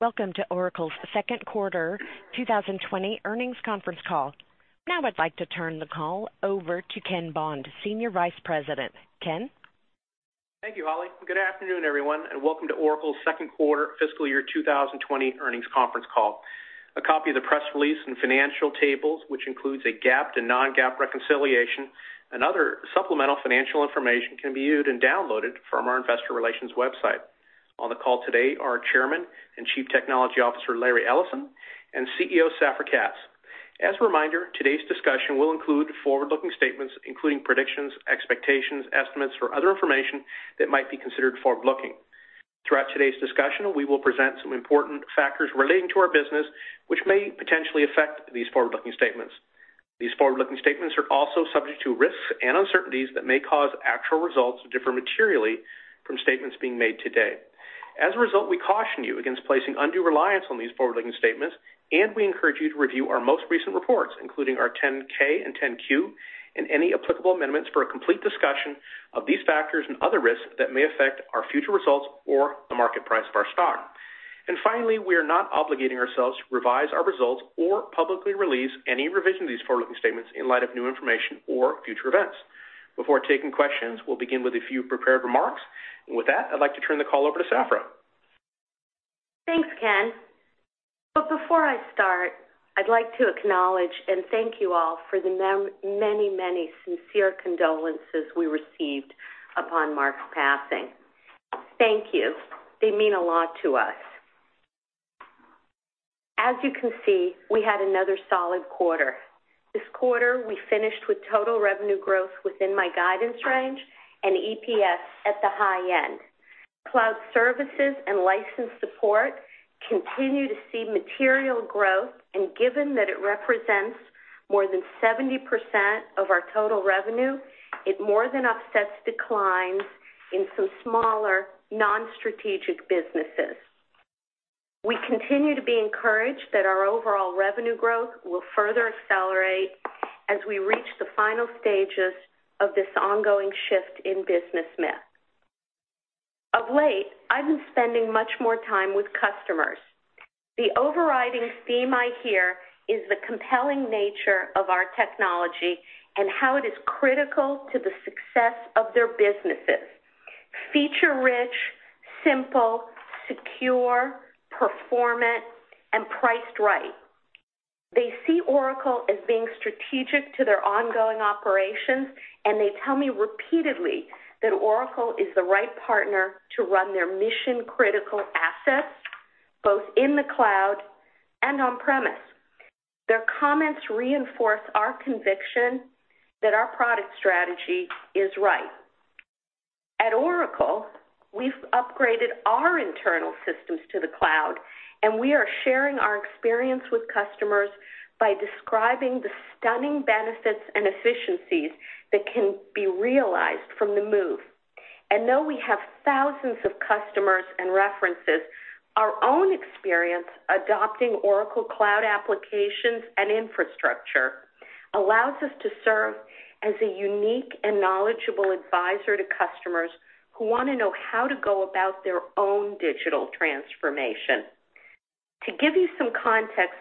Welcome to Oracle's second quarter 2020 earnings conference call. I'd like to turn the call over to Ken Bond, Senior Vice President. Ken? Thank you, Holly, and good afternoon, everyone, and welcome to Oracle's second quarter fiscal year 2020 earnings conference call. A copy of the press release and financial tables, which includes a GAAP to non-GAAP reconciliation and other supplemental financial information, can be viewed and downloaded from our investor relations website. On the call today are our Chairman and Chief Technology Officer, Larry Ellison, and CEO, Safra Catz. As a reminder, today's discussion will include forward-looking statements, including predictions, expectations, estimates, or other information that might be considered forward-looking. Throughout today's discussion, we will present some important factors relating to our business, which may potentially affect these forward-looking statements. These forward-looking statements are also subject to risks and uncertainties that may cause actual results to differ materially from statements being made today. As a result, we caution you against placing undue reliance on these forward-looking statements, and we encourage you to review our most recent reports, including our 10-K and 10-Q, and any applicable amendments for a complete discussion of these factors and other risks that may affect our future results or the market price of our stock. Finally, we are not obligating ourselves to revise our results or publicly release any revision of these forward-looking statements in light of new information or future events. Before taking questions, we'll begin with a few prepared remarks. With that, I'd like to turn the call over to Safra. Thanks, Ken. Before I start, I'd like to acknowledge and thank you all for the many sincere condolences we received upon Mark's passing. Thank you. They mean a lot to us. As you can see, we had another solid quarter. This quarter, we finished with total revenue growth within my guidance range and EPS at the high end. Cloud services and license support continue to see material growth, and given that it represents more than 70% of our total revenue, it more than offsets declines in some smaller non-strategic businesses. We continue to be encouraged that our overall revenue growth will further accelerate as we reach the final stages of this ongoing shift in business mix. Of late, I've been spending much more time with customers. The overriding theme I hear is the compelling nature of our technology and how it is critical to the success of their businesses. Feature-rich, simple, secure, performant, and priced right. They see Oracle as being strategic to their ongoing operations. They tell me repeatedly that Oracle is the right partner to run their mission-critical assets, both in the cloud and on-premise. Their comments reinforce our conviction that our product strategy is right. At Oracle, we've upgraded our internal systems to the cloud. We are sharing our experience with customers by describing the stunning benefits and efficiencies that can be realized from the move. Though we have thousands of customers and references, our own experience adopting Oracle Cloud applications and infrastructure allows us to serve as a unique and knowledgeable advisor to customers who want to know how to go about their own digital transformation. To give you some context,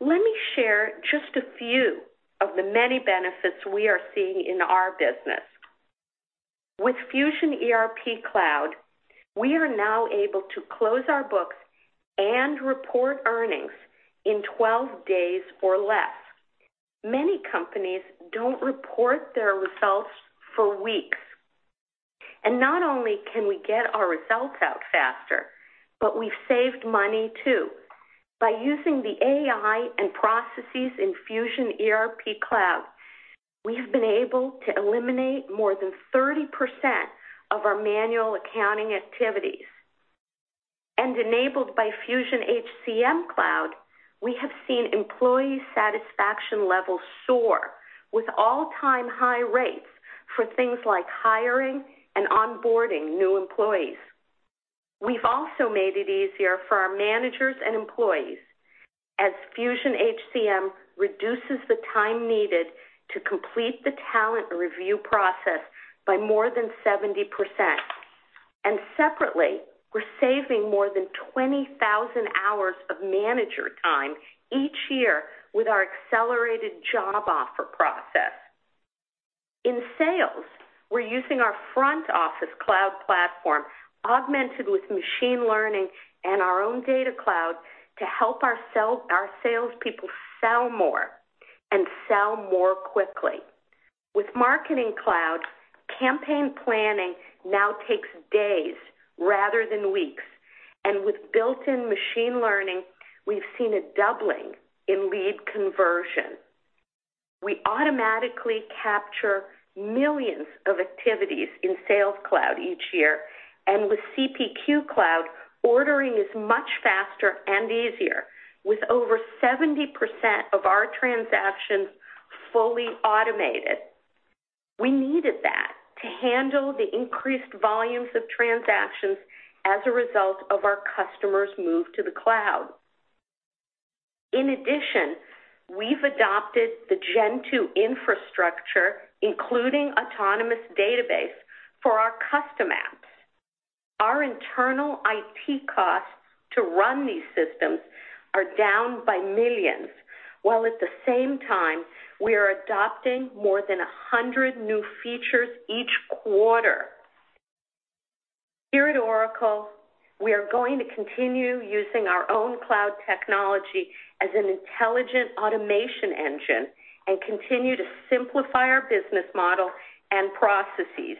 let me share just a few of the many benefits we are seeing in our business. With Fusion ERP Cloud, we are now able to close our books and report earnings in 12 days or less. Many companies don't report their results for weeks. Not only can we get our results out faster, but we've saved money, too. By using the AI and processes in Fusion ERP Cloud, we have been able to eliminate more than 30% of our manual accounting activities. Enabled by Fusion HCM Cloud, we have seen employee satisfaction levels soar, with all-time high rates for things like hiring and onboarding new employees. We've also made it easier for our managers and employees as Fusion HCM reduces the time needed to complete the talent review process by more than 70%. Separately, we're saving more than 20,000 hours of manager time each year with our accelerated job offer process. In sales, we're using our front-office cloud platform, augmented with machine learning and our own Data Cloud to help our salespeople sell more and sell more quickly. With Marketing Cloud, campaign planning now takes days rather than weeks. With built-in machine learning, we've seen a doubling in lead conversion. We automatically capture millions of activities in Sales Cloud each year, and with CPQ Cloud, ordering is much faster and easier, with over 70% of our transactions fully automated. We needed that to handle the increased volumes of transactions as a result of our customers' move to the cloud. In addition, we've adopted the Gen2 infrastructure, including Autonomous Database for our custom apps. Our internal IT costs to run these systems are down by $ millions, while at the same time, we are adopting more than 100 new features each quarter. Here at Oracle, we are going to continue using our own cloud technology as an intelligent automation engine and continue to simplify our business model and processes.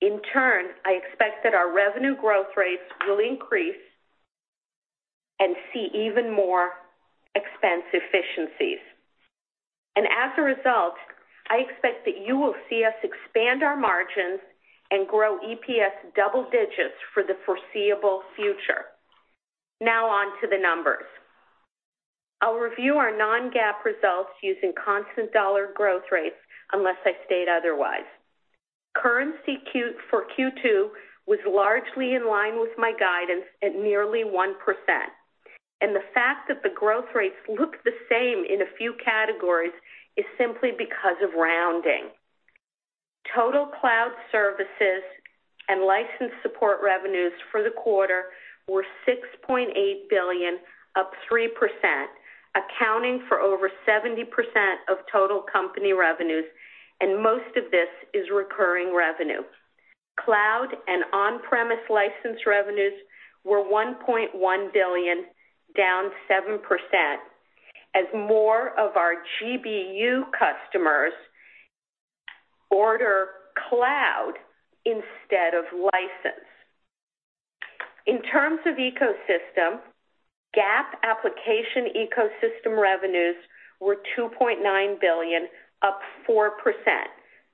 In turn, I expect that our revenue growth rates will increase and see even more expense efficiencies. As a result, I expect that you will see us expand our margins and grow EPS double digits for the foreseeable future. Now on to the numbers. I'll review our non-GAAP results using constant dollar growth rates unless I state otherwise. Currency for Q2 was largely in line with my guidance at nearly 1%. The fact that the growth rates look the same in a few categories is simply because of rounding. Total cloud services and license support revenues for the quarter were $6.8 billion, up 3%, accounting for over 70% of total company revenues. Most of this is recurring revenue. Cloud and on-premise license revenues were $1.1 billion, down 7%, as more of our GBU customers order cloud instead of license. In terms of ecosystem, GAAP application ecosystem revenues were $2.9 billion, up 4%,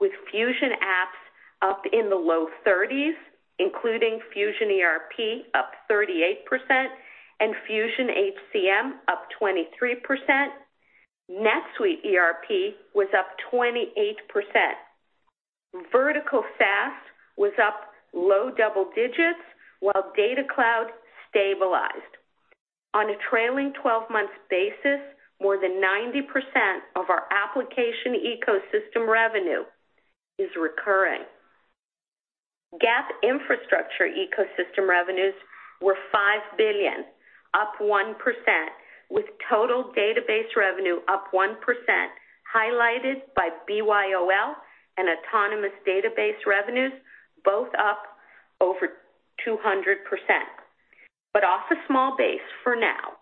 with Fusion apps up in the low 30s, including Fusion ERP up 38% and Fusion HCM up 23%. NetSuite ERP was up 28%. Vertical SaaS was up low double digits while Data Cloud stabilized. On a trailing 12-month basis, more than 90% of our application ecosystem revenue is recurring. GAAP infrastructure ecosystem revenues were $5 billion, up 1%, with total database revenue up 1%, highlighted by BYOL and Autonomous Database revenues, both up over 200%. Off a small base for now.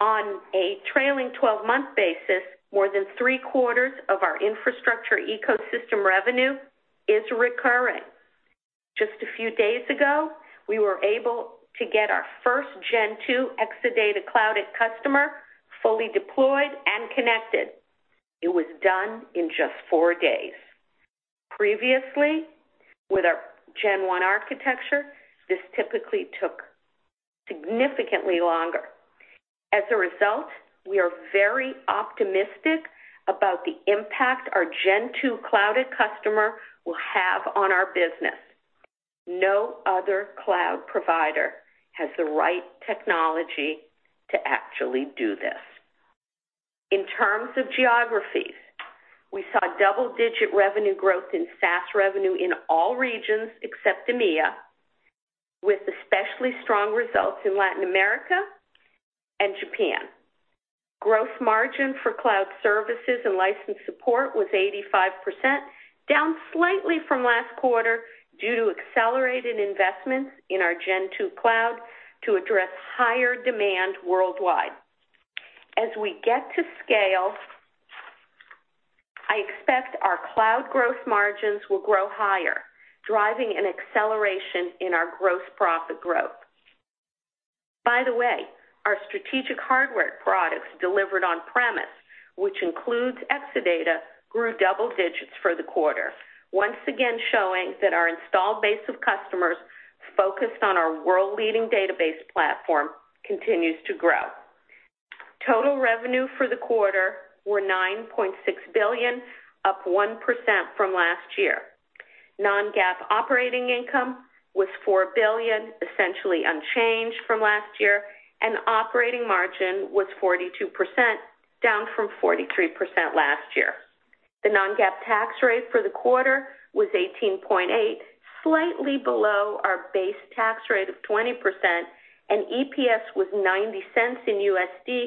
On a trailing 12-month basis, more than three-quarters of our infrastructure ecosystem revenue is recurring. Just a few days ago, we were able to get our first Gen2 Exadata Cloud@Customer fully deployed and connected. It was done in just four days. Previously, with our Gen1 architecture, this typically took significantly longer. As a result, we are very optimistic about the impact our Gen2 Cloud@Customer will have on our business. No other cloud provider has the right technology to actually do this. In terms of geographies, we saw double-digit revenue growth in SaaS revenue in all regions except EMEA, with especially strong results in Latin America and Japan. Gross margin for cloud services and license support was 85%, down slightly from last quarter due to accelerated investments in our Gen2 cloud to address higher demand worldwide. As we get to scale, I expect our cloud growth margins will grow higher, driving an acceleration in our gross profit growth. By the way, our strategic hardware products delivered on-premise, which includes Oracle Exadata, grew double digits for the quarter, once again showing that our installed base of customers focused on our world-leading database platform continues to grow. Total revenue for the quarter were $9.6 billion, up 1% from last year. Non-GAAP operating income was $4 billion, essentially unchanged from last year, and operating margin was 42%, down from 43% last year. The non-GAAP tax rate for the quarter was 18.8%, slightly below our base tax rate of 20%, and EPS was $0.90,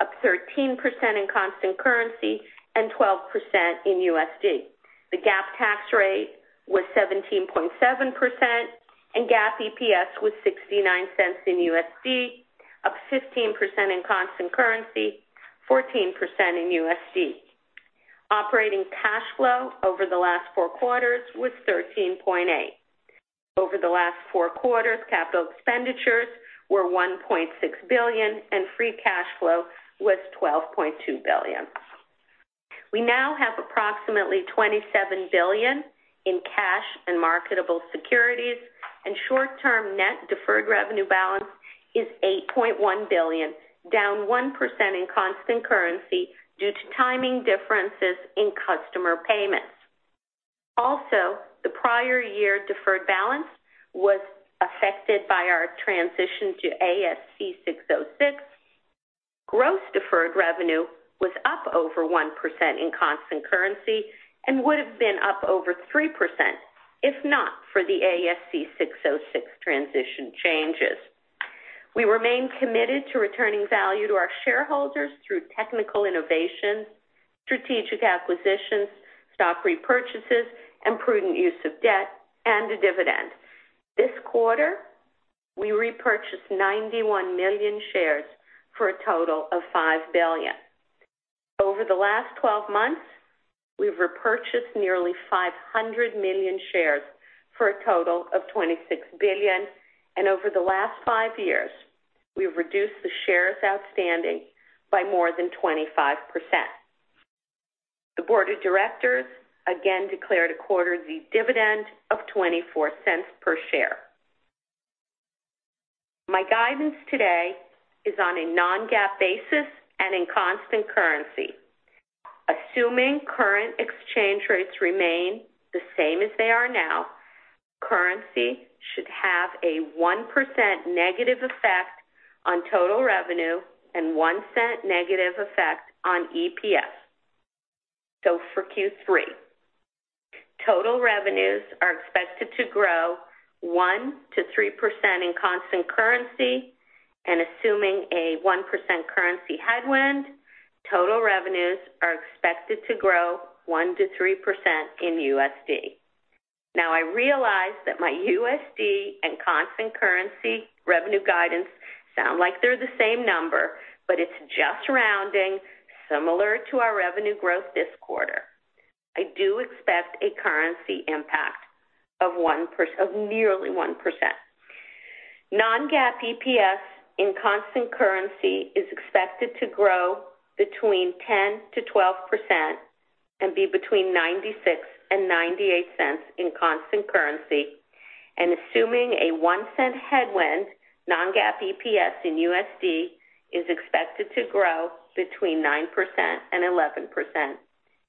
up 13% in constant currency and 12% in USD. The GAAP tax rate was 17.7%, and GAAP EPS was $0.69, up 15% in constant currency, 14% in USD. Operating cash flow over the last four quarters was $13.8 billion. Over the last four quarters, capital expenditures were $1.6 billion, and free cash flow was $12.2 billion. We now have approximately $27 billion in cash and marketable securities, and short-term net deferred revenue balance is $8.1 billion, down 1% in constant currency due to timing differences in customer payments. Also, the prior year deferred balance was affected by our transition to ASC 606. Gross deferred revenue was up over 1% in constant currency and would've been up over 3%, if not for the ASC 606 transition changes. We remain committed to returning value to our shareholders through technical innovations, strategic acquisitions, stock repurchases, and prudent use of debt and a dividend. This quarter, we repurchased 91 million shares for a total of $5 billion. Over the last 12 months, we've repurchased nearly 500 million shares for a total of $26 billion. Over the last five years, we've reduced the shares outstanding by more than 25%. The board of directors again declared a quarterly dividend of $0.24 per share. My guidance today is on a non-GAAP basis and in constant currency. Assuming current exchange rates remain the same as they are now, currency should have a 1% negative effect on total revenue and a $0.01 negative effect on EPS. For Q3, total revenues are expected to grow 1%-3% in constant currency. Assuming a 1% currency headwind, total revenues are expected to grow 1%-3% in USD. I realize that my USD and constant currency revenue guidance sound like they're the same number, it's just rounding, similar to our revenue growth this quarter. I do expect a currency impact of nearly 1%. Non-GAAP EPS in constant currency is expected to grow between 10%-12% and be between $0.96 and $0.98 in constant currency. Assuming a $0.01 headwind, non-GAAP EPS in USD is expected to grow between 9%-11%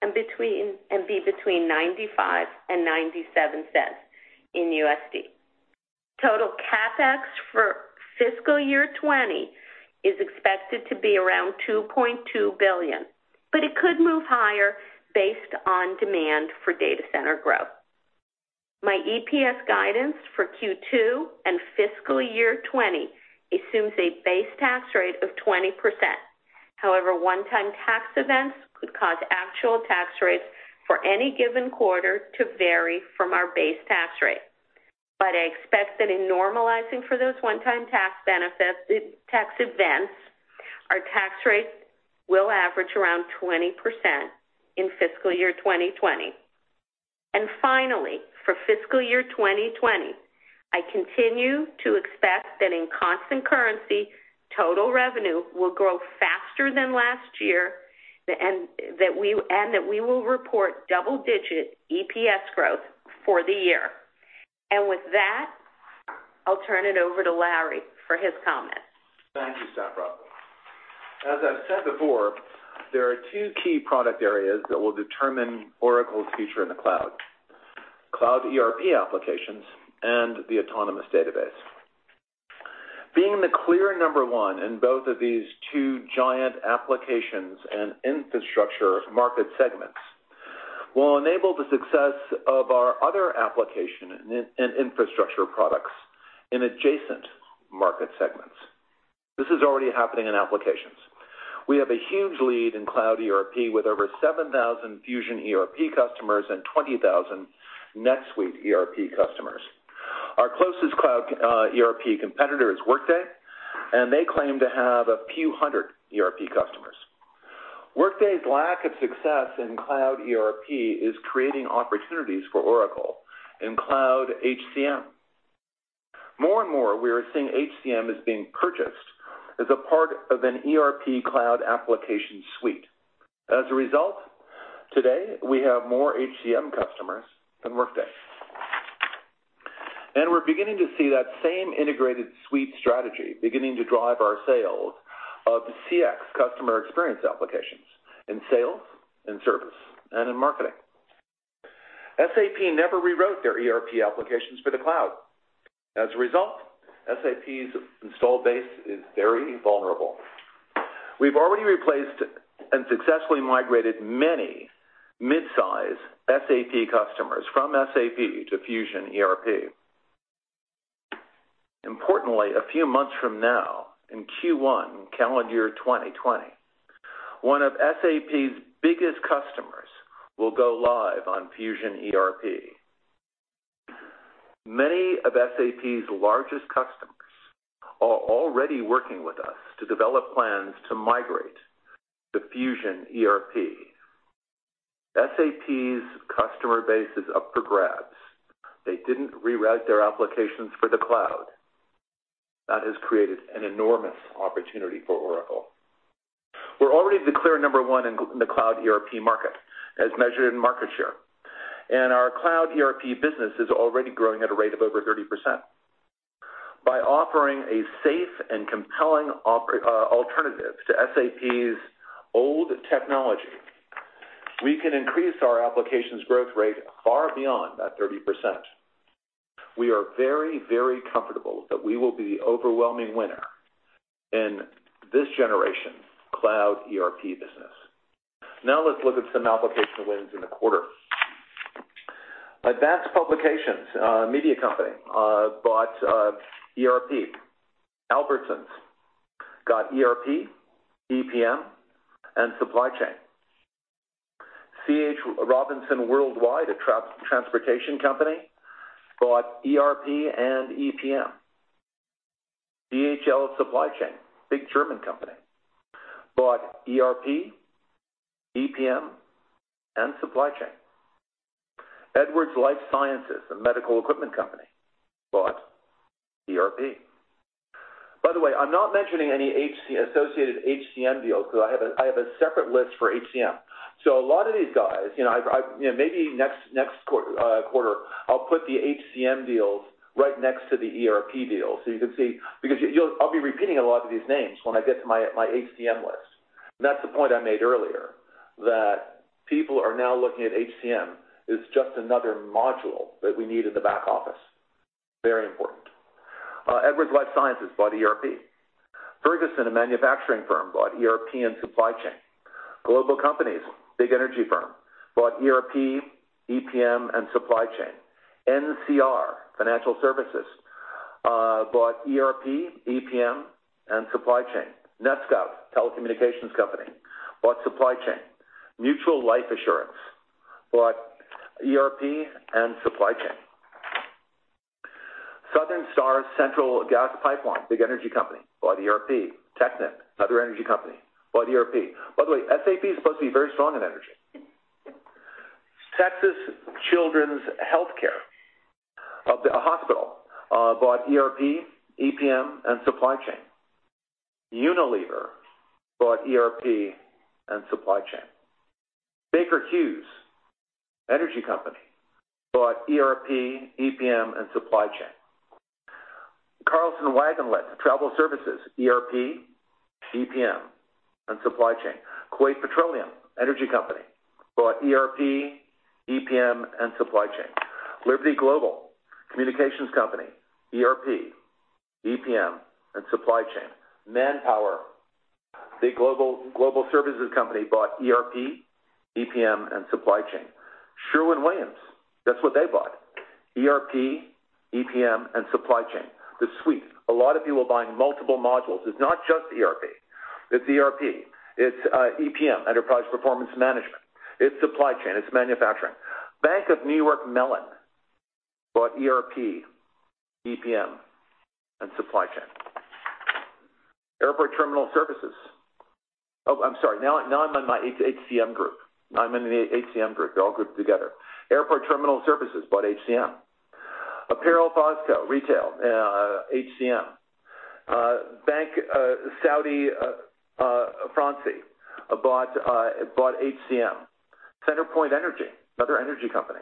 and be between $0.95 and $0.97 in USD. Total CapEx for fiscal year 2020 is expected to be around $2.2 billion, it could move higher based on demand for data center growth. My EPS guidance for Q2 and fiscal year 2020 assumes a base tax rate of 20%. However, one-time tax events could cause actual tax rates for any given quarter to vary from our base tax rate. I expect that in normalizing for those one-time tax events, our tax rates will average around 20% in fiscal year 2020. Finally, for fiscal year 2020, I continue to expect that in constant currency, total revenue will grow faster than last year and that we will report double-digit EPS growth for the year. With that, I'll turn it over to Larry for his comments. Thank you, Safra. As I've said before, there are two key product areas that will determine Oracle's future in the cloud: Cloud ERP applications and the Autonomous Database. Being the clear number one in both of these two giant applications and infrastructure market segments will enable the success of our other application and infrastructure products in adjacent market segments. This is already happening in applications. We have a huge lead in Cloud ERP with over 7,000 Fusion ERP customers and 20,000 NetSuite ERP customers. Our closest Cloud ERP competitor is Workday, and they claim to have a few hundred ERP customers. Workday's lack of success in Cloud ERP is creating opportunities for Oracle in Cloud HCM. More and more, we are seeing HCM as being purchased as a part of an ERP cloud application suite. As a result, today, we have more HCM customers than Workday. We're beginning to see that same integrated suite strategy beginning to drive our sales of CX customer experience applications in sales, in service, and in marketing. SAP never rewrote their ERP applications for the cloud. As a result, SAP's install base is very vulnerable. We've already replaced and successfully migrated many mid-size SAP customers from SAP to Fusion ERP. Importantly, a few months from now, in Q1 calendar year 2020, one of SAP's biggest customers will go live on Fusion ERP. Many of SAP's largest customers are already working with us to develop plans to migrate to Fusion ERP. SAP's customer base is up for grabs. They didn't rewrite their applications for the cloud. That has created an enormous opportunity for Oracle. We're already the clear number one in the Cloud ERP market as measured in market share, and our Cloud ERP business is already growing at a rate of over 30%. By offering a safe and compelling alternative to SAP's old technology, we can increase our applications growth rate far beyond that 30%. We are very, very comfortable that we will be the overwhelming winner in this generation cloud ERP business. Let's look at some application wins in the quarter. Advance Publications, a media company, bought ERP. Albertsons got ERP, EPM, and supply chain. C.H. Robinson Worldwide, a transportation company, bought ERP and EPM. DHL Supply Chain, big German company, bought ERP, EPM, and supply chain. Edwards Lifesciences, a medical equipment company, bought ERP. By the way, I'm not mentioning any associated HCM deals because I have a separate list for HCM. A lot of these guys, maybe next quarter, I'll put the HCM deals right next to the ERP deals, so you can see. I'll be repeating a lot of these names when I get to my HCM list. That's the point I made earlier, that people are now looking at HCM as just another module that we need in the back office. Very important. Edwards Lifesciences bought ERP. Ferguson, a manufacturing firm, bought ERP and supply chain. Global Companies, big energy firm, bought ERP, EPM, and supply chain. NCR Financial Services bought ERP, EPM, and supply chain. NETSCOUT, telecommunications company, bought supply chain. Mutual Life Assurance bought ERP and supply chain. Southern Star Central Gas Pipeline, big energy company, bought ERP. Technip, another energy company, bought ERP. By the way, SAP is supposed to be very strong in energy. Texas Children's Hospital, a hospital, bought ERP, EPM, and supply chain. Unilever bought ERP and supply chain. Baker Hughes, energy company, bought ERP, EPM, and supply chain. Carlson Wagonlit, travel services, ERP, EPM, and supply chain. Kuwait Petroleum, energy company, bought ERP, EPM, and supply chain. Liberty Global, communications company, ERP, EPM, and supply chain. Manpower, big global services company, bought ERP, EPM, and supply chain. Sherwin-Williams, that's what they bought, ERP, EPM, and supply chain. The suite, a lot of people are buying multiple modules. It's not just ERP. It's ERP. It's EPM, enterprise performance management. It's supply chain. It's manufacturing. Bank of New York Mellon bought ERP, EPM, and supply chain. Airport Terminal Services. Oh, I'm sorry. Now, I'm on my HCM group. Now I'm in the HCM group. They're all grouped together. Airport Terminal Services bought HCM. Apparel21, retail, HCM. Banque Saudi Fransi bought HCM. CenterPoint Energy, another energy company,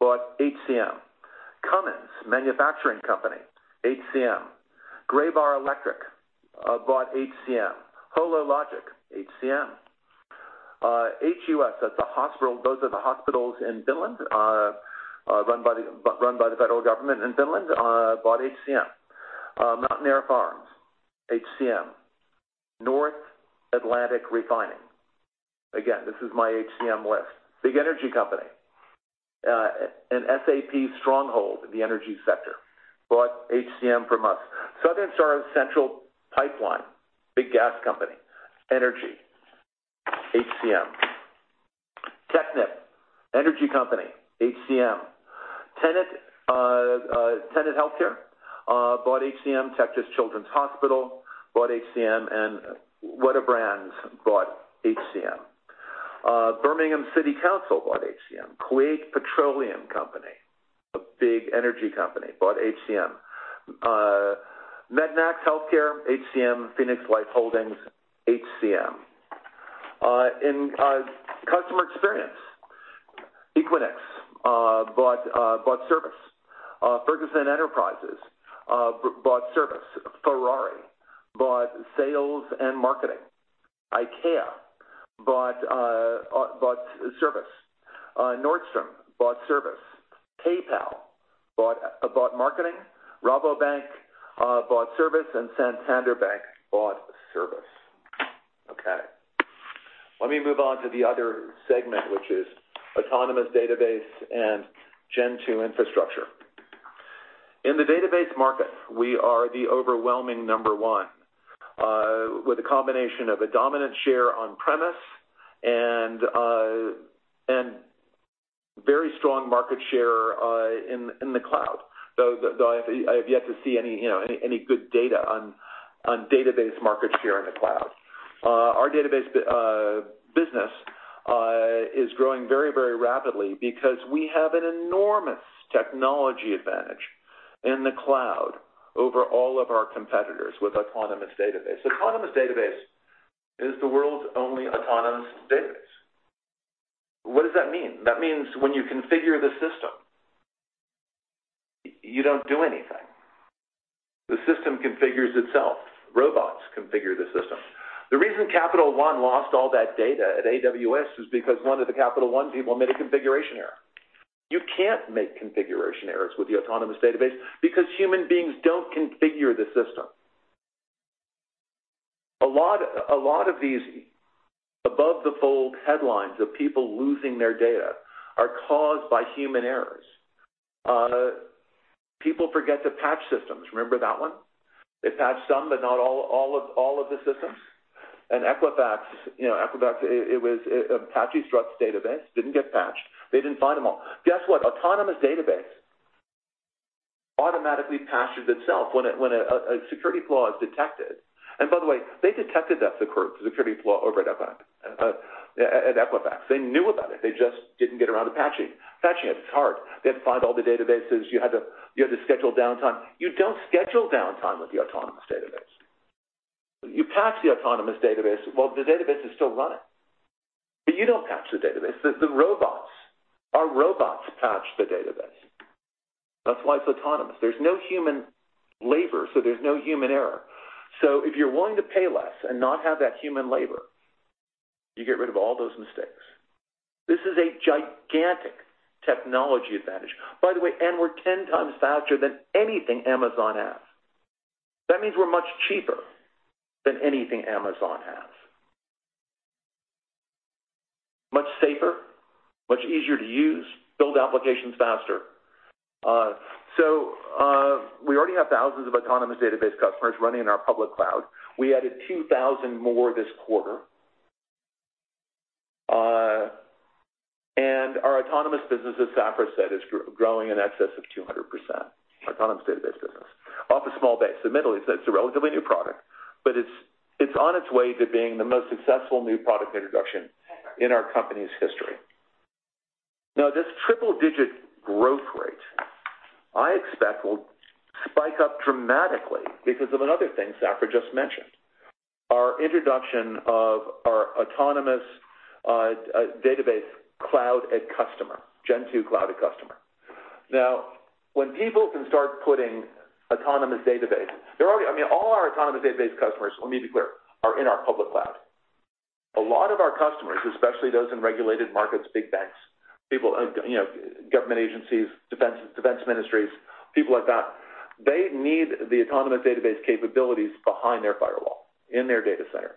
bought HCM. Cummins, manufacturing company, HCM. Graybar Electric bought HCM. Hologic, HCM. HUS, those are the hospitals in Finland, run by the federal government in Finland, bought HCM. Mountaire Farms, HCM. North Atlantic Refining. Again, this is my HCM list. Big energy company. An SAP stronghold in the energy sector. Bought HCM from us. Southern Star Central Pipeline, big gas company, energy, HCM. Technip, energy company, HCM. Tenet Healthcare bought HCM. Texas Children's Hospital bought HCM, and Whatabrands bought HCM. Birmingham City Council bought HCM. Kuwait Petroleum Company, a big energy company, bought HCM. Mednax Healthcare, HCM. Phoenix Life Holdings, HCM. In customer experience, Equinix bought service. Ferguson Enterprises bought service. Ferrari bought sales and marketing. IKEA bought service. Nordstrom bought service. PayPal bought marketing. Rabobank bought service, and Santander Bank bought service. Okay. Let me move on to the other segment, which is Autonomous Database and Gen2 infrastructure. In the database market, we are the overwhelming number one, with a combination of a dominant share on-premise and very strong market share in the cloud, though I have yet to see any good data on database market share in the cloud. Our database business is growing very, very rapidly because we have an enormous technology advantage in the cloud over all of our competitors with Autonomous Database. Autonomous Database is the world's only Autonomous Database. What does that mean? That means when you configure the system, you don't do anything. The system configures itself. Robots configure the system. The reason Capital One lost all that data at AWS is because one of the Capital One people made a configuration error. You can't make configuration errors with the Autonomous Database because human beings don't configure the system. A lot of these above the fold headlines of people losing their data are caused by human errors. People forget to patch systems. Remember that one? They patched some, but not all of the systems. Equifax, it was a Apache Struts database, didn't get patched. They didn't find them all. Guess what? Autonomous Database automatically patches itself when a security flaw is detected. By the way, they detected that security flaw over at Equifax. They knew about it. They just didn't get around to patching. Patching it is hard. They had to find all the databases. You had to schedule downtime. You don't schedule downtime with the Autonomous Database. You patch the Autonomous Database while the database is still running. You don't patch the database. The robots. Our robots patch the database. That's why it's autonomous. There's no human labor, so there's no human error. If you're willing to pay less and not have that human labor, you get rid of all those mistakes. This is a gigantic technology advantage. By the way, we're 10 times faster than anything Amazon has. That means we're much cheaper than anything Amazon has. Much safer, much easier to use, build applications faster. We already have thousands of Autonomous Database customers running in our public cloud. We added 2,000 more this quarter. Our autonomous business, as Safra said, is growing in excess of 200%, our Autonomous Database business, off a small base. Admittedly, it's a relatively new product, but it's on its way to being the most successful new product introduction in our company's history. This triple-digit growth rate, I expect will spike up dramatically because of another thing Safra just mentioned, our introduction of our Autonomous Database Cloud@Customer, Gen2 Cloud@Customer. All our Autonomous Database customers, let me be clear, are in our public cloud. A lot of our customers, especially those in regulated markets, big banks, government agencies, defense ministries, people like that, they need the Autonomous Database capabilities behind their firewall in their data center.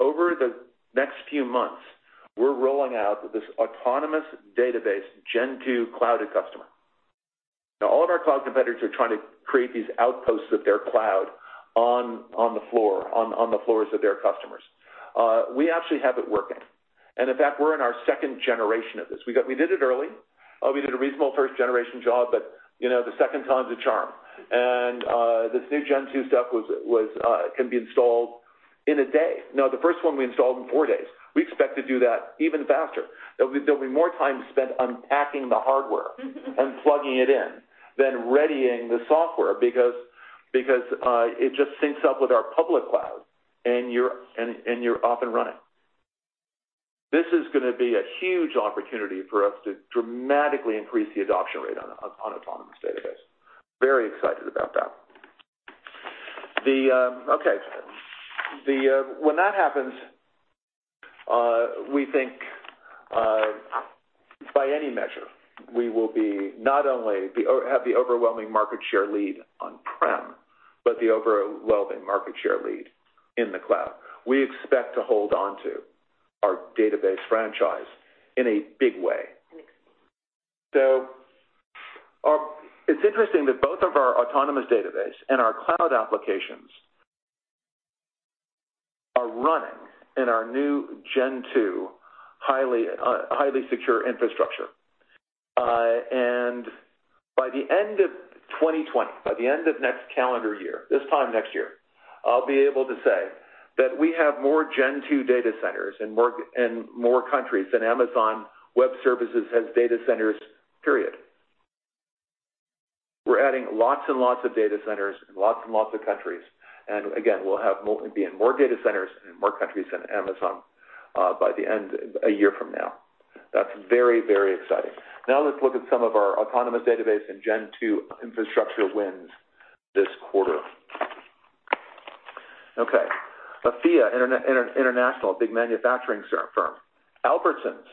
Over the next few months, we're rolling out this Autonomous Database Gen2 Cloud@Customer. All of our cloud competitors are trying to create these outposts of their cloud on the floors of their customers. We actually have it working. In fact, we're in our second-generation of this. We did it early. We did a reasonable first-generation job, but the second time's a charm. This new Gen2 stuff can be installed in a day. Now, the first one we installed in 4 days. We expect to do that even faster. There'll be more time spent unpacking the hardware and plugging it in than readying the software because it just syncs up with our public cloud, and you're off and running. This is going to be a huge opportunity for us to dramatically increase the adoption rate on Autonomous Database. Very excited about that. When that happens, we think by any measure, we will not only have the overwhelming market share lead on-prem, but the overwhelming market share lead in the cloud. We expect to hold on to our database franchise in a big way. Expand. It's interesting that both of our Autonomous Database and our Cloud Applications are running in our new Gen2 highly secure infrastructure. By the end of 2020, by the end of next calendar year, this time next year, I'll be able to say that we have more Gen2 data centers in more countries than Amazon Web Services has data centers, period. We're adding lots and lots of data centers in lots and lots of countries. Again, we'll be in more data centers in more countries than Amazon a year from now. That's very, very exciting. Let's look at some of our Autonomous Database and Gen2 infrastructure wins this quarter. Okay. Afia International, a big manufacturing firm. Albertsons.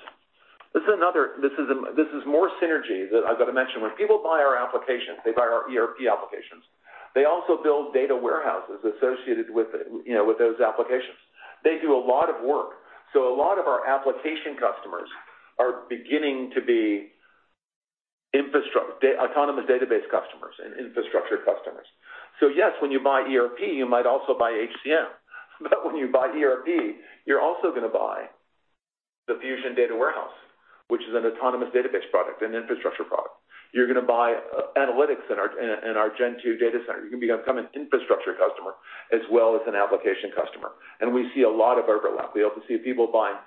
This is more synergy that I've got to mention. When people buy our applications, they buy our ERP applications. They also build data warehouses associated with those applications. They do a lot of work. A lot of our application customers are beginning to be Autonomous Database customers and infrastructure customers. Yes, when you buy ERP, you might also buy HCM. When you buy ERP, you're also going to buy the Fusion Data Warehouse, which is an Autonomous Database product, an infrastructure product. You're going to buy analytics in our Gen2 data center. You're going to become an infrastructure customer as well as an application customer. We see a lot of overlap. We also see people buying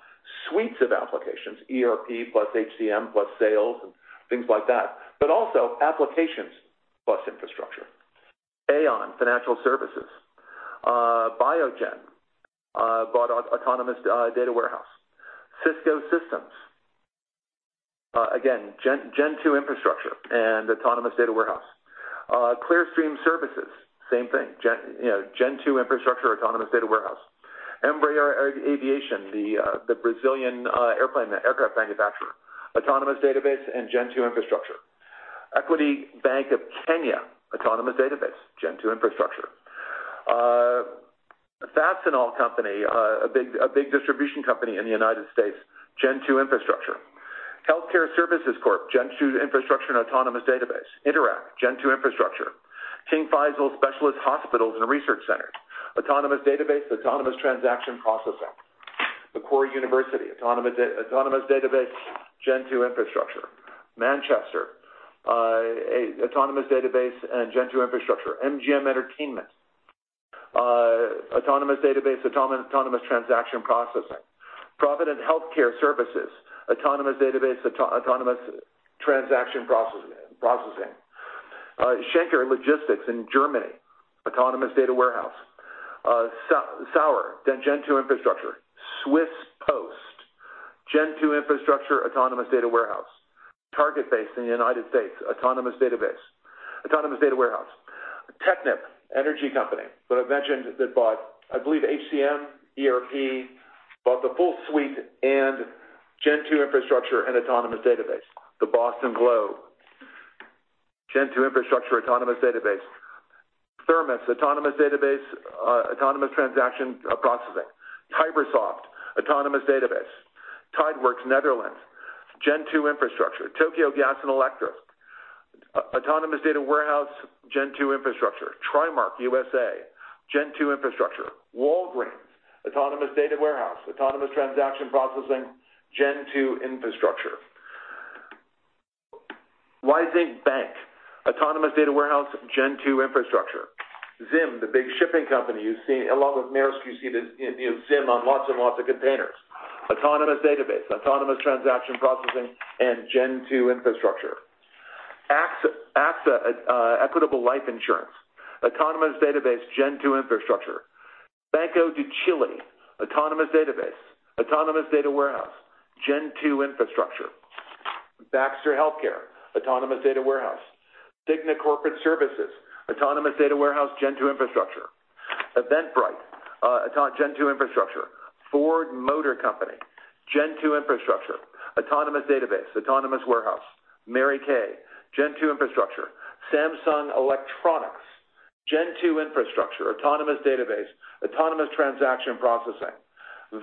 suites of applications, ERP plus HCM plus sales and things like that, but also applications plus infrastructure. Aon plc. Biogen bought our Autonomous Data Warehouse. Cisco Systems. Again, Gen2 infrastructure and Autonomous Data Warehouse. Clearstream, same thing, Gen2 infrastructure, Autonomous Data Warehouse. Embraer, the Brazilian aircraft manufacturer, Autonomous Database and Gen2 infrastructure. Equity Bank of Kenya, Autonomous Database, Gen2 infrastructure. Fastenal Company, a big distribution company in the U.S., Gen2 infrastructure. Health Care Service Corp, Gen2 infrastructure and Autonomous Database. Interact, Gen2 infrastructure. King Faisal Specialist Hospital and Research Centre, Autonomous Database, Autonomous Transaction Processing. Macquarie University, Autonomous Database, Gen2 infrastructure. Manchester, Autonomous Database and Gen2 infrastructure. MGM Resorts International, Autonomous Database, Autonomous Transaction Processing. Provident Healthcare Services, Autonomous Database, Autonomous Transaction Processing. DB Schenker in Germany, Autonomous Data Warehouse. Saurer, Gen2 infrastructure. Swiss Post, Gen2 infrastructure, Autonomous Data Warehouse. Target, based in the U.S., Autonomous Data Warehouse. Technip, energy company that I've mentioned that bought, I believe, HCM, ERP. Bought the full suite and Gen2 infrastructure and Autonomous Database. The Boston Globe, Gen2 infrastructure, Autonomous Database. Thermos, Autonomous Database, Autonomous Transaction Processing. Tibersoft, Autonomous Database. Tideworks, Netherlands, Gen2 infrastructure. Tokyo Gas, Autonomous Data Warehouse, Gen2 infrastructure. TriMark USA, Gen2 infrastructure. Walgreens, Autonomous Data Warehouse, Autonomous Transaction Processing, Gen2 infrastructure. Wise, Autonomous Data Warehouse, Gen2 infrastructure. ZIM, the big shipping company you see along with Maersk. You see ZIM on lots and lots of containers. Autonomous Database, Autonomous Transaction Processing, and Gen2 infrastructure. AXA Equitable Life Insurance, Autonomous Database, Gen2 infrastructure. Banco de Chile, Autonomous Database, Autonomous Data Warehouse, Gen2 infrastructure. Baxter Healthcare, Autonomous Data Warehouse. Cigna Corporate Services, Autonomous Data Warehouse, Gen2 infrastructure. Eventbrite, Gen2 infrastructure. Ford Motor Company, Gen2 infrastructure, Autonomous Database, Autonomous Warehouse. Mary Kay, Gen2 infrastructure. Samsung Electronics, Gen2 infrastructure, Autonomous Database, Autonomous Transaction Processing.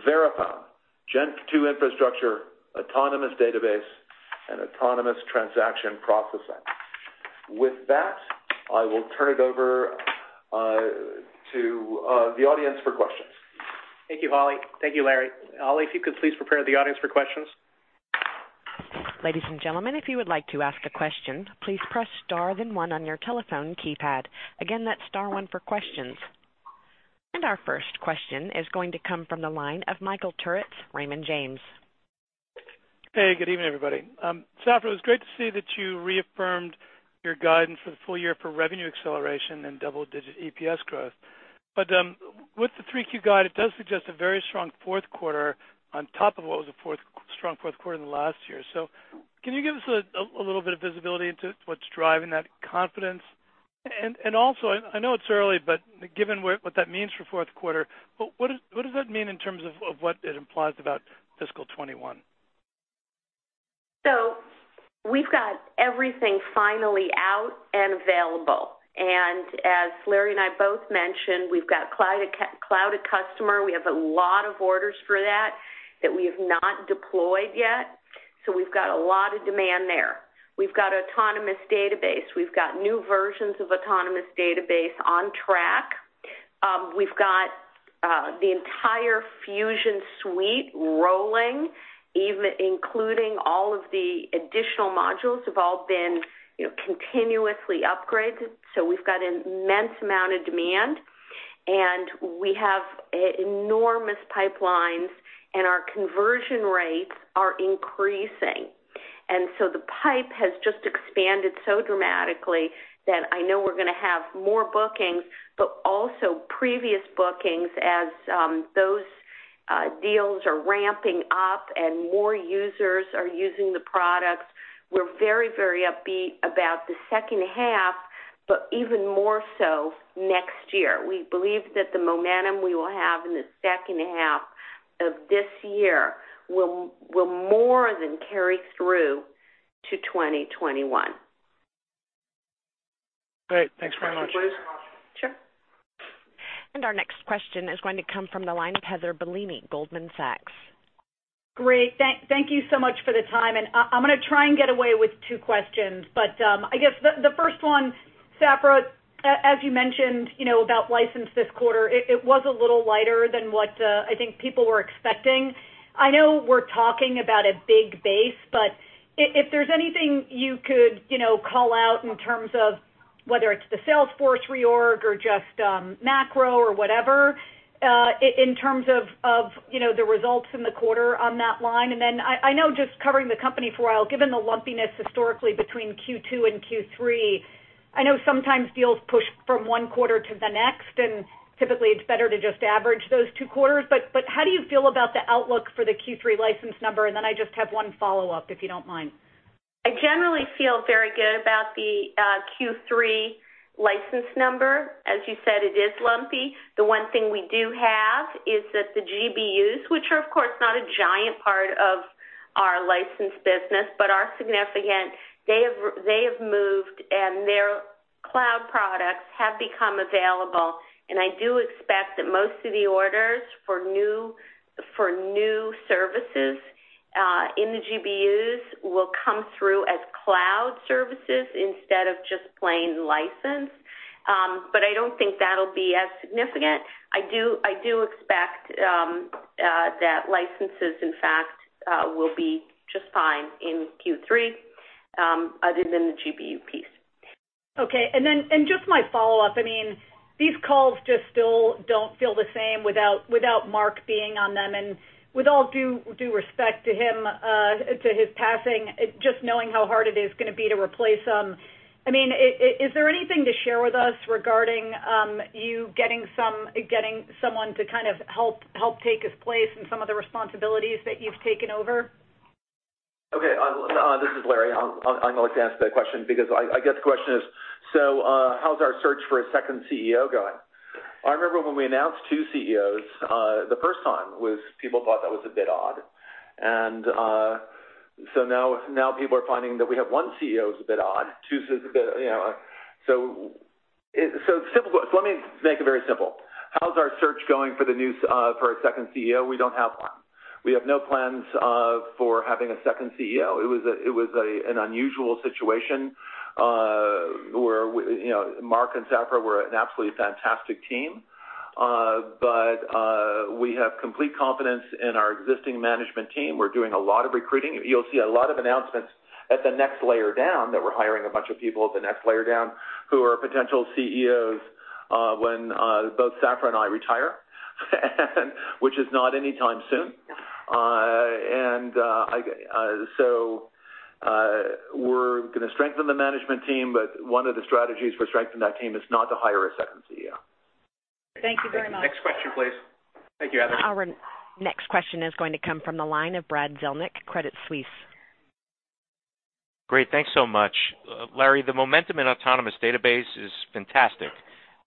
Verifone, Gen2 infrastructure, Autonomous Database, and Autonomous Transaction Processing. With that, I will turn it over to the audience for questions. Thank you, Holly. Thank you, Larry. Holly, if you could please prepare the audience for questions. Ladies and gentlemen, if you would like to ask a question, please press star then one on your telephone keypad. Again, that's star one for questions. Our first question is going to come from the line of Michael Turits, Raymond James. Hey, good evening, everybody. Safra, it was great to see that you reaffirmed your guidance for the full year for revenue acceleration and double-digit EPS growth. With the 3Q guide, it does suggest a very strong fourth quarter on top of what was a strong fourth quarter in the last year. Can you give us a little bit of visibility into what's driving that confidence? Also, I know it's early, but given what that means for fourth quarter, what does that mean in terms of what it implies about fiscal 2021? We've got everything finally out and available. As Larry and I both mentioned, we've got Cloud@Customer. We have a lot of orders for that that we have not deployed yet. We've got a lot of demand there. We've got Autonomous Database. We've got new versions of Autonomous Database on track. We've got the entire Fusion suite rolling, including all of the additional modules have all been continuously upgraded. We've got an immense amount of demand, and we have enormous pipelines, and our conversion rates are increasing. The pipe has just expanded so dramatically that I know we're going to have more bookings, but also previous bookings as those deals are ramping up and more users are using the products. We're very upbeat about the second half, but even more so next year. We believe that the momentum we will have in the second half of this year will more than carry through to 2021. Great. Thanks very much. Sure. Our next question is going to come from the line of Heather Bellini, Goldman Sachs. Great. Thank you so much for the time. I'm going to try and get away with two questions. I guess the first one, Safra, as you mentioned about license this quarter, it was a little lighter than what I think people were expecting. I know we're talking about a big base, if there's anything you could call out in terms of whether it's the Salesforce reorg or just macro or whatever? In terms of the results in the quarter on that line, I know just covering the company for a while, given the lumpiness historically between Q2 and Q3, I know sometimes deals push from one quarter to the next, typically it's better to just average those two quarters. How do you feel about the outlook for the Q3 license number? I just have one follow-up, if you don't mind. I generally feel very good about the Q3 license number. As you said, it is lumpy. The one thing we do have is that the GBUs, which are of course not a giant part of our license business, but are significant, they have moved and their cloud products have become available. I do expect that most of the orders for new services in the GBUs will come through as cloud services instead of just plain license. I don't think that'll be as significant. I do expect that licenses, in fact, will be just fine in Q3 other than the GBU piece. Okay. Just my follow-up, these calls just still don't feel the same without Mark being on them, and with all due respect to his passing, just knowing how hard it is going to be to replace him. Is there anything to share with us regarding you getting someone to help take his place in some of the responsibilities that you've taken over? Okay. This is Larry. I'd like to answer that question because I guess the question is, how's our search for a second CEO going? I remember when we announced two CEOs, the first time people thought that was a bit odd. Now people are finding that we have one CEO is a bit odd. Let me make it very simple. How's our search going for a second CEO? We don't have one. We have no plans for having a second CEO. It was an unusual situation where Mark and Safra were an absolutely fantastic team. We have complete confidence in our existing management team. We're doing a lot of recruiting. You'll see a lot of announcements at the next layer down that we're hiring a bunch of people at the next layer down who are potential CEOs when both Safra and I retire, which is not anytime soon. We're going to strengthen the management team, but one of the strategies for strengthening that team is not to hire a second CEO. Thank you very much. Next question, please. Thank you, Heather. Our next question is going to come from the line of Brad Zelnick, Credit Suisse. Great. Thanks so much. Larry, the momentum in Autonomous Database is fantastic.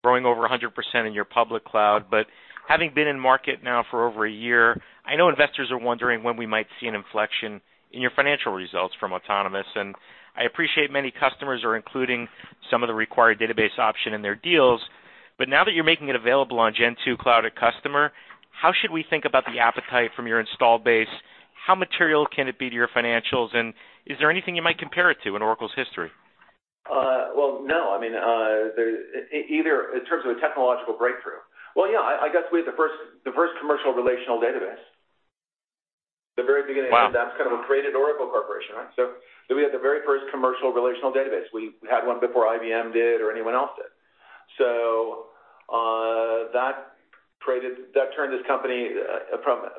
Growing over 100% in your public cloud. Having been in market now for over a year, I know investors are wondering when we might see an inflection in your financial results from Autonomous, and I appreciate many customers are including some of the required database option in their deals, but now that you're making it available on Gen 2 Cloud at Customer, how should we think about the appetite from your install base? How material can it be to your financials? Is there anything you might compare it to in Oracle's history? Well, no. In terms of a technological breakthrough. Well, yeah, I guess we had the first commercial relational database. Wow that kind of created Oracle Corporation. We had the very first commercial relational database. We had one before IBM did or anyone else did. That turned this company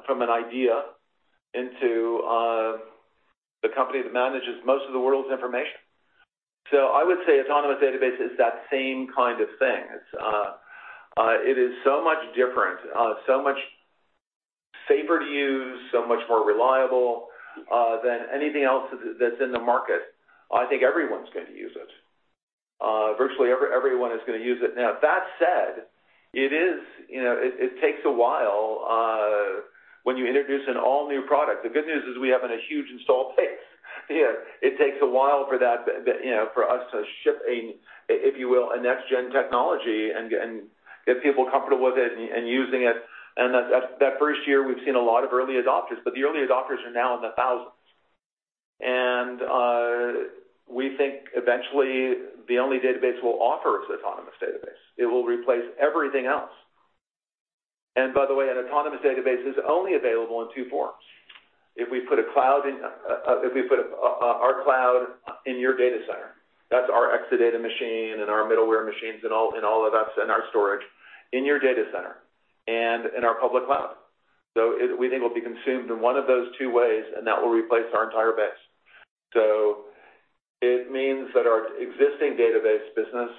from an idea into the company that manages most of the world's information. I would say Autonomous Database is that same kind of thing. It is so much different, so much safer to use, so much more reliable than anything else that's in the market. I think everyone's going to use it. Virtually everyone is going to use it. Now, that said, it takes a while when you introduce an all-new product. The good news is we have a huge install base. It takes a while for us to ship, if you will, a next-gen technology and get people comfortable with it and using it. That first year, we've seen a lot of early adopters, but the early adopters are now in the thousands. We think eventually the only database we'll offer is Autonomous Database. It will replace everything else. By the way, an Autonomous Database is only available in two forms. If we put our cloud in your data center, that's our Exadata machine and our middleware machines and all of that, and our storage in your data center and in our public cloud. We think it'll be consumed in one of those two ways, and that will replace our entire base. It means that our existing database business,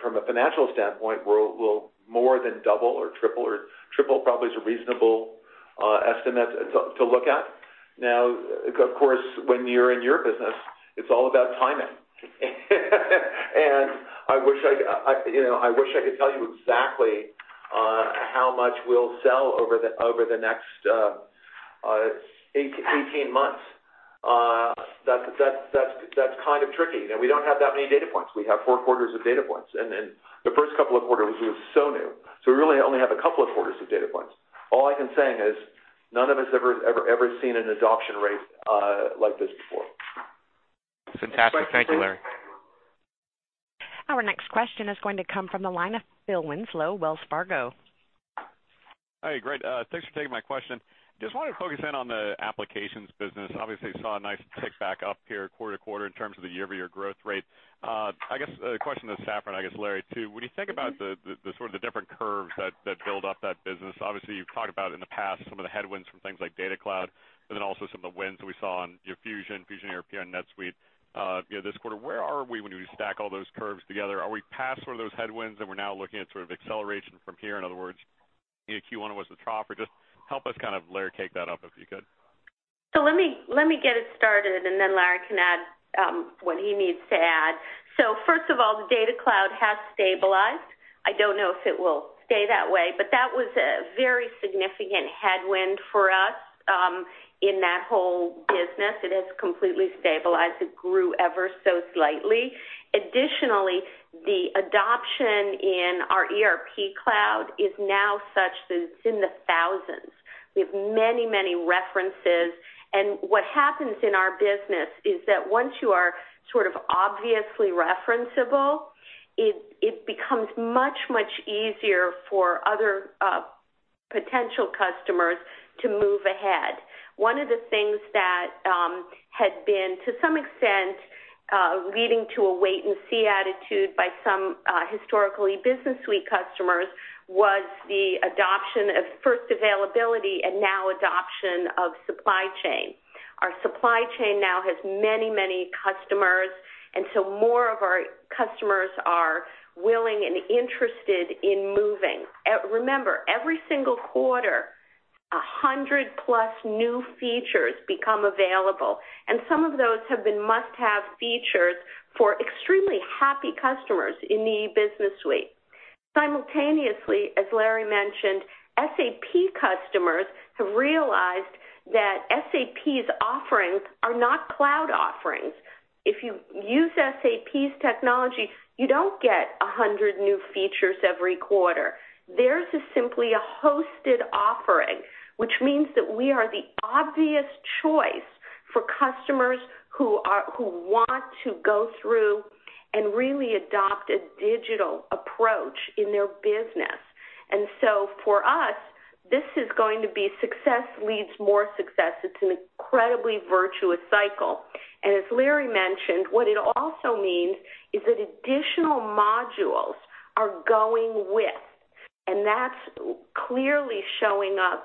from a financial standpoint, will more than double or triple. Triple probably is a reasonable estimate to look at. Of course, when you're in your business, it's all about timing. I wish I could tell you exactly how much we'll sell over the next 18 months. That's kind of tricky. We don't have that many data points. We have four quarters of data points, and the first couple of quarters it was so new, so we really only have a couple of quarters of data points. All I can say is none of us have ever seen an adoption rate like this before. Fantastic. Thank you, Larry. Our next question is going to come from the line of Philip Winslow, Wells Fargo. Hi, great. Thanks for taking my question. I just wanted to focus in on the applications business. Obviously, we saw a nice tick back up here quarter-to-quarter in terms of the year-over-year growth rate. I guess the question to Safra, and I guess Larry, too, when you think about the different curves that build up that business, obviously, you've talked about in the past some of the headwinds from things like Data Cloud, also some of the winds that we saw on your Fusion ERP, and NetSuite this quarter. Where are we when we stack all those curves together? Are we past sort of those headwinds and we're now looking at sort of acceleration from here? In other words, Q1 was a trough, or just help us kind of layer cake that up, if you could. Let me get it started, and then Larry can add what he needs to add. First of all, the Data Cloud has stabilized. I don't know if it will stay that way, but that was a very significant headwind for us in that whole business. It has completely stabilized. It grew ever so slightly. Additionally, the adoption in our ERP cloud is now such that it's in the thousands. We have many, many references, and what happens in our business is that once you are sort of obviously referenceable, it becomes much, much easier for other potential customers to move ahead. One of the things that had been, to some extent, leading to a wait-and-see attitude by some historically Business Suite customers, was the adoption of first availability and now adoption of supply chain. Our supply chain now has many, many customers, and so more of our customers are willing and interested in moving. Remember, every single quarter, 100-plus new features become available, and some of those have been must-have features for extremely happy customers in Oracle E-Business Suite. Simultaneously, as Larry mentioned, SAP customers have realized that SAP's offerings are not cloud offerings. If you use SAP's technology, you don't get 100 new features every quarter. Theirs is simply a hosted offering, which means that we are the obvious choice for customers who want to go through and really adopt a digital approach in their business. For us, this is going to be success leads more success. It's an incredibly virtuous cycle. As Larry mentioned, what it also means is that additional modules are going with, and that's clearly showing up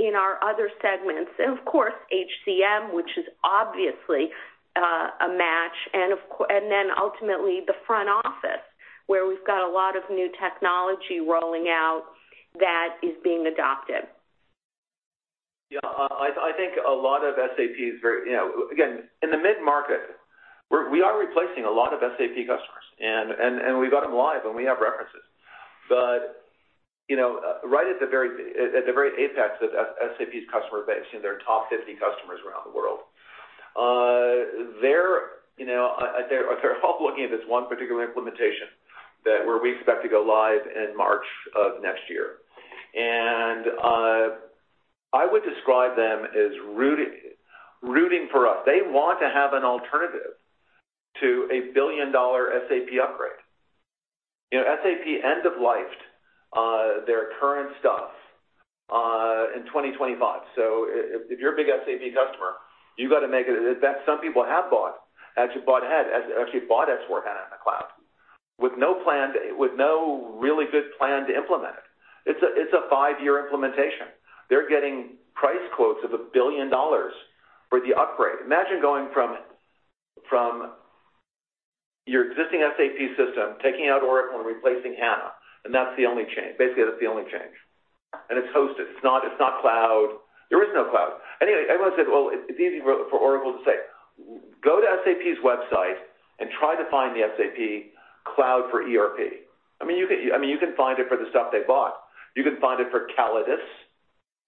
in our other segments, and of course, HCM, which is obviously a match, and then ultimately the front office, where we've got a lot of new technology rolling out that is being adopted. Yeah, I think a lot of SAP is again, in the mid-market, we are replacing a lot of SAP customers, and we've got them live, and we have references. Right at the very apex of SAP's customer base, in their top 50 customers around the world, they're all looking at this one particular implementation that where we expect to go live in March of next year. I would describe them as rooting for us. They want to have an alternative to a billion-dollar SAP upgrade. SAP end-of-lifed their current stuff in 2025. If you're a big SAP customer, you got to make it, that some people have bought, actually bought S/4HANA in the cloud with no really good plan to implement it. It's a five-year implementation. They're getting price quotes of $1 billion for the upgrade. Imagine going from your existing SAP system, taking out Oracle and replacing HANA, and basically that's the only change. It's hosted, it's not cloud. There is no cloud. Anyway, everyone said, well, it's easy for Oracle to say, "Go to SAP's website and try to find the SAP cloud for ERP." You can find it for the stuff they bought. You can find it for Callidus,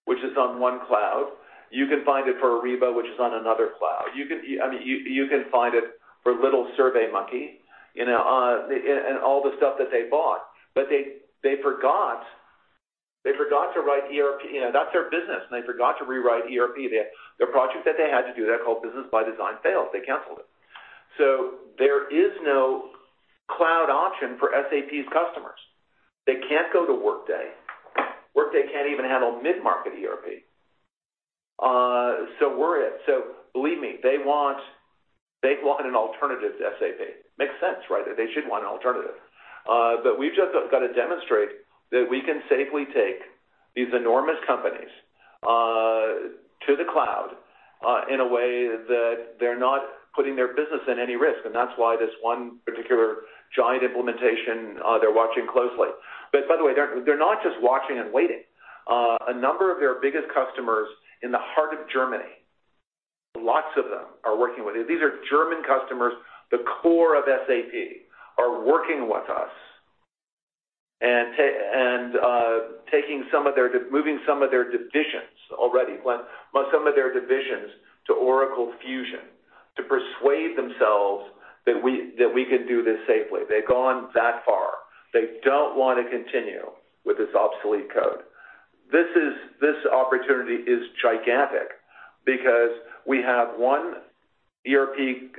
which is on one cloud. You can find it for Ariba, which is on another cloud. You can find it for little SurveyMonkey and all the stuff that they bought. They forgot to write ERP. That's their business, and they forgot to rewrite ERP. The project that they had to do there, called Business ByDesign, failed. They canceled it. There is no cloud option for SAP's customers. They can't go to Workday. Workday can't even handle mid-market ERP. Believe me, they want an alternative to SAP. Makes sense, right? They should want an alternative. We've just got to demonstrate that we can safely take these enormous companies to the cloud in a way that they're not putting their business in any risk, and that's why this one particular giant implementation, they're watching closely. By the way, they're not just watching and waiting. A number of their biggest customers in the heart of Germany, lots of them are working with us. These are German customers, the core of SAP, are working with us and moving some of their divisions already, some of their divisions to Oracle Fusion to persuade themselves that we can do this safely. They've gone that far. They don't want to continue with this obsolete code. This opportunity is gigantic because we have one ERP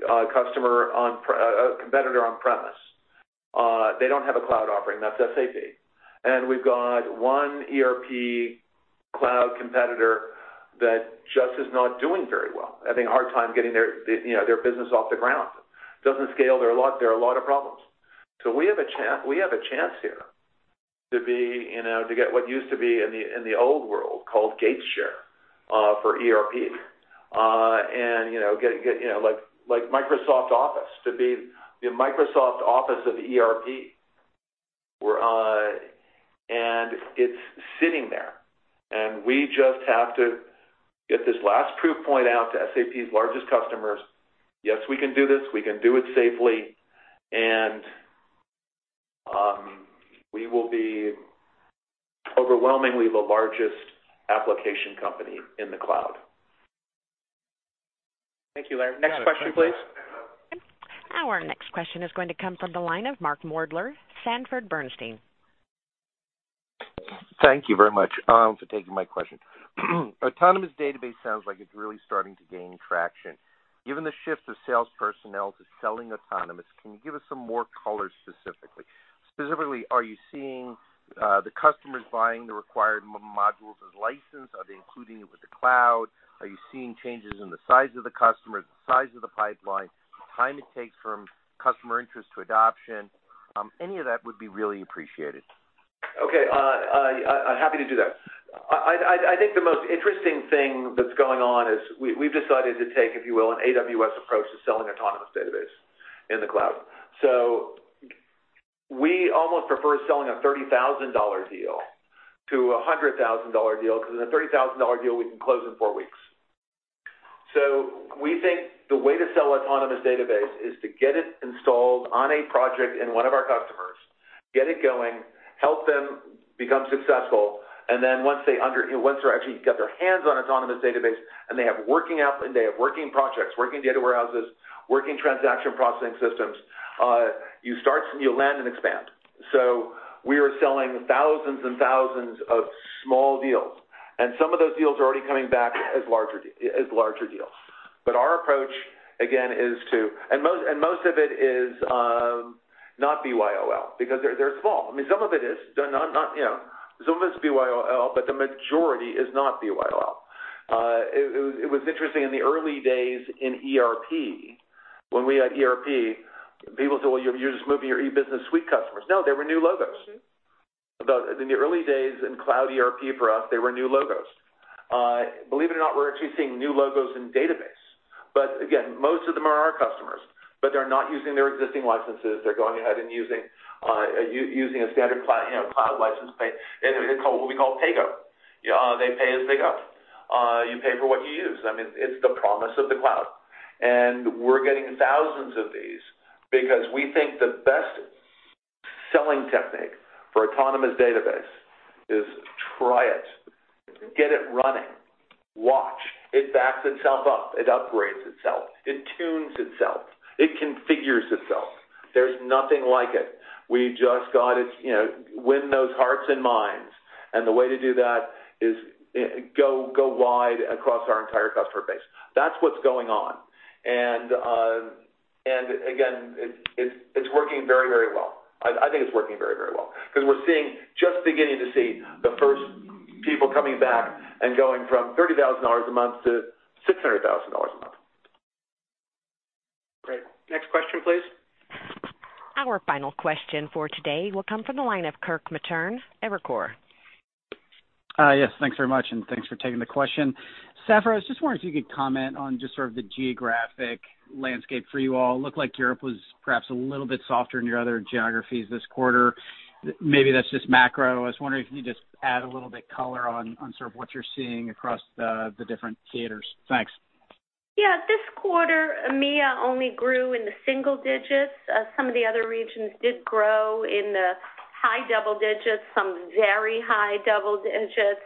competitor on-premise. They don't have a cloud offering. That's SAP. We've got one ERP cloud competitor that just is not doing very well, having a hard time getting their business off the ground. Doesn't scale. There are a lot of problems. We have a chance here to get what used to be in the old world called gate share for ERP. Like Microsoft Office, to be the Microsoft Office of ERP. It's sitting there, and we just have to get this last proof point out to SAP's largest customers. Yes, we can do this. We can do it safely. We will be overwhelmingly the largest application company in the cloud. Thank you, Larry. Next question, please. Our next question is going to come from the line of Mark Moerdler, Sanford Bernstein. Thank you very much for taking my question. Autonomous Database sounds like it's really starting to gain traction. Given the shift of sales personnel to selling autonomous, can you give us some more color specifically? Specifically, are you seeing the customers buying the required modules as licensed? Are they including it with the cloud? Are you seeing changes in the size of the customer, the size of the pipeline, time it takes from customer interest to adoption? Any of that would be really appreciated. Okay. I'm happy to do that. I think the most interesting thing that's going on is we've decided to take, if you will, an AWS approach to selling Autonomous Database in the cloud. We almost prefer selling a $30,000 deal to a $100,000 deal because in a $30,000 deal, we can close in four weeks. We think the way to sell Autonomous Database is to get it installed on a project in one of our customers, get it going, help them become successful, and then once they actually got their hands on Autonomous Database and they have working apps and they have working projects, working data warehouses, working transaction processing systems, you land and expand. We are selling thousands and thousands of small deals, and some of those deals are already coming back as larger deals. Most of it is not BYOL because they're small. Some of it is BYOL, but the majority is not BYOL. It was interesting in the early days in ERP, when we had ERP, people said, "Well, you're just moving your Oracle E-Business Suite customers." No, they were new logos. In the early days in cloud ERP for us, they were new logos. Believe it or not, we're actually seeing new logos in Database. Again, most of them are our customers, but they're not using their existing licenses. They're going ahead and using a standard cloud license, what we call paygo. They pay as they go. You pay for what you use. It's the promise of the cloud. We're getting thousands of these because we think the best selling technique for Oracle Autonomous Database is try it, get it running, watch. It backs itself up. It upgrades itself. It tunes itself. It configures itself. There's nothing like it. We've just got to win those hearts and minds, and the way to do that is go wide across our entire customer base. That's what's going on. Again, it's working very well. I think it's working very well because we're just beginning to see the first people coming back and going from $30,000 a month to $600,000 a month. Great. Next question, please. Our final question for today will come from the line of Kirk Materne, Evercore. Yes, thanks very much, and thanks for taking the question. Safra, I was just wondering if you could comment on just sort of the geographic landscape for you all. Looked like Europe was perhaps a little bit softer than your other geographies this quarter. Maybe that's just macro. I was wondering if you could just add a little bit color on sort of what you're seeing across the different theaters. Thanks. Yeah. This quarter, EMEA only grew in the single digits. Some of the other regions did grow in the high double digits, some very high double digits.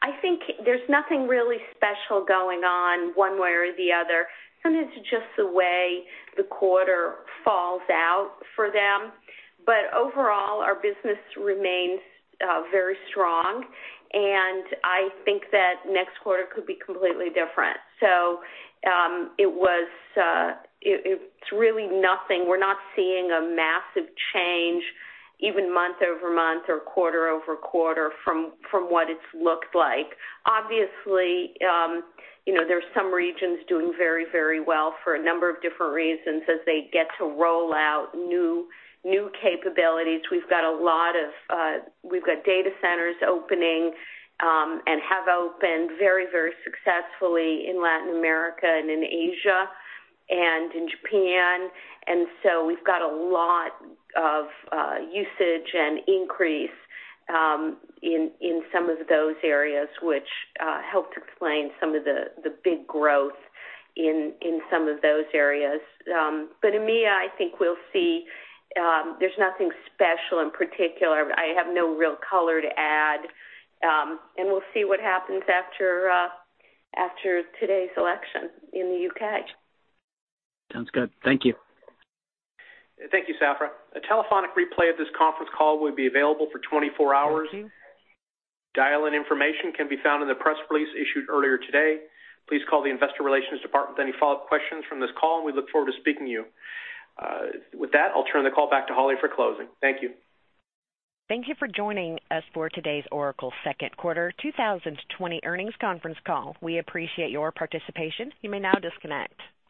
I think there's nothing really special going on one way or the other. Sometimes it's just the way the quarter falls out for them. Overall, our business remains very strong, and I think that next quarter could be completely different. It's really nothing. We're not seeing a massive change even month-over-month or quarter-over-quarter from what it's looked like. Obviously, there's some regions doing very well for a number of different reasons as they get to roll out new capabilities. We've got data centers opening, and have opened very successfully in Latin America and in Asia and in Japan. We've got a lot of usage and increase in some of those areas, which helped explain some of the big growth in some of those areas. EMEA, I think we'll see. There's nothing special in particular. I have no real color to add. We'll see what happens after today's election in the U.K. Sounds good. Thank you. Thank you, Safra. A telephonic replay of this conference call will be available for 24 hours. Dial-in information can be found in the press release issued earlier today. Please call the investor relations department with any follow-up questions from this call, and we look forward to speaking to you. With that, I'll turn the call back to Holly for closing. Thank you. Thank you for joining us for today's Oracle second quarter 2020 earnings conference call. We appreciate your participation. You may now disconnect.